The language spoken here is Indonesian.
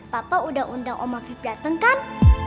papa udah undang om afib dateng kan